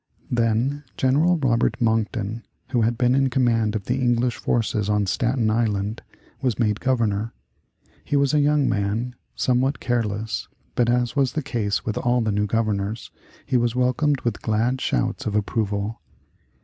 Then General Robert Monckton, who had been in command of the English forces on Staten Island, was made Governor. He was a young man, somewhat careless, but, as was the case with all the new governors, he was welcomed with glad shouts of approval.